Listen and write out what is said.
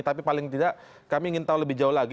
tapi paling tidak kami ingin tahu lebih jauh lagi